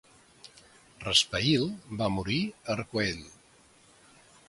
Raspail va morir a Arcueil.